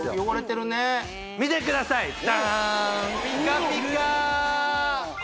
こちら見てください